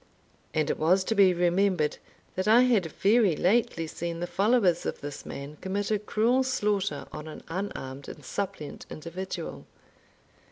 And it was to be remembered that I had very lately seen the followers of this man commit a cruel slaughter on an unarmed and suppliant individual.